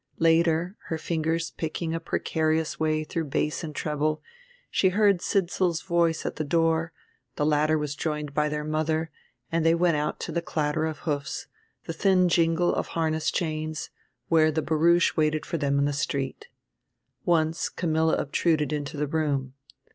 Later, her fingers picking a precarious way through bass and treble, she heard Sidsall's voice at the door; the latter was joined by their mother, and they went out to the clatter of hoofs, the thin jingle of harness chains, where the barouche waited for them in the street. Once Camilla obtruded into the room.